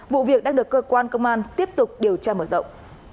vụ việc đang được cơ quan công an tiếp tục điều tra mở rộng